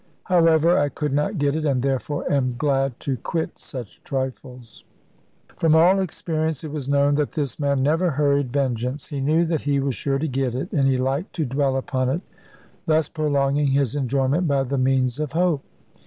However, I could not get it; and therefore am glad to quit such trifles. From all experience it was known that this man never hurried vengeance. He knew that he was sure to get it; and he liked to dwell upon it, thus prolonging his enjoyment by the means of hope.